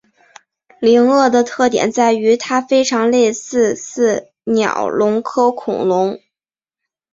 灵鳄的特点在于它非常类似似鸟龙科恐龙。